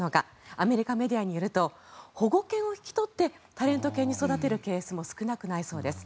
アメリカメディアによると保護犬を引き取ってタレント犬に育てるケースも少なくないそうです。